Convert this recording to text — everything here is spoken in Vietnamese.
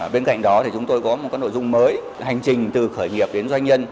bên cạnh đó thì chúng tôi có một nội dung mới hành trình từ khởi nghiệp đến doanh nhân